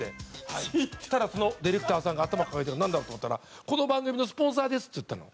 そうしたらそのディレクターさんが頭抱えてるからなんだと思ったら「この番組のスポンサーです」っつったの。